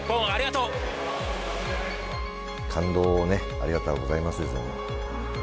感動をね、ありがとうございますですよね。